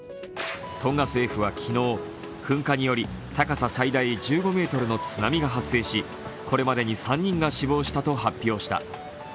トンガ政府は昨日、噴火により高さ最大１５ｍの津波が発生しこれまでに３人が死亡したと発表した。